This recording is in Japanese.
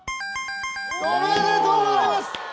おめでとうございます！